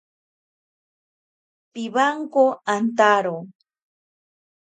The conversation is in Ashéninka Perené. Pibwanko antaro.